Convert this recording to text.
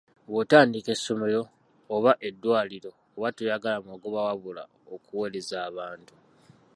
Bw'otandika essomero, oba eddwaliro oba toyagala magoba wabula okuweereza abantu.